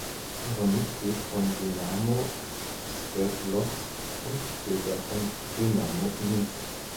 Er war Mitglied von "Dynamo" Swerdlowsk und später von "Dynamo" Minsk.